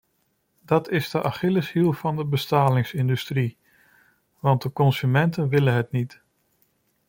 Dat is de achilleshiel van de bestralingsindustrie, want de consumenten willen het niet.